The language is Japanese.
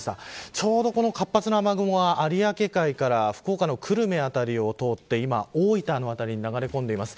ちょうど活発な雨雲が有明海から福岡の久留米辺りを通って今、大分の辺りに流れ込んでいます。